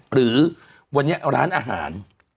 หรือวันนี้ร้านอาหาร